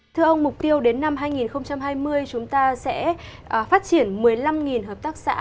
thưa ông mục tiêu đến năm hai nghìn hai mươi chúng ta sẽ phát triển một mươi năm hợp tác xã